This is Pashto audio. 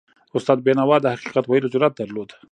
استاد بینوا د حقیقت ویلو جرأت درلود.